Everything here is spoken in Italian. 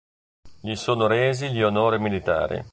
Gli sono resi gli onori militari.